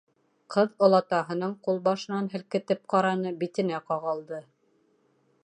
Ҡыҙ олатаһының ҡулбашынан һелкетеп ҡараны, битенә ҡағылды.